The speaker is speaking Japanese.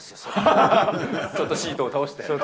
ちょっとシートを倒して。